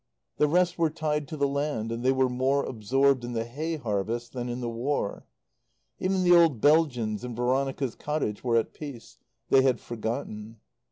The rest were tied to the land, and they were more absorbed in the hay harvest than in the War. Even the old Belgians in Veronica's cottage were at peace. They had forgotten.